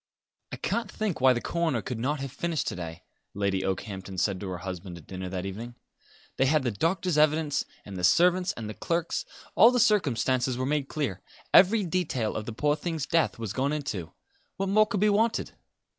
"I can't think why the coroner could not have finished to day," Lady Okehampton said to her husband at dinner that evening. "They had the doctor's evidence, and the servants', and the clerk's; all the circumstances were made clear, every detail of the poor thing's death was gone into. What more could be wanted?"